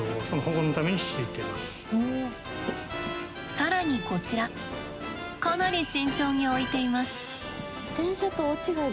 更にこちらかなり慎重に置いています。